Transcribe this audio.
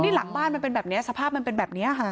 นี่หลังบ้านมันเป็นแบบนี้สภาพมันเป็นแบบนี้ค่ะ